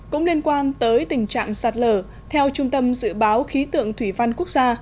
cũng liên quan tới tình trạng sạt lở theo trung tâm dự báo khí tượng thủy văn quốc gia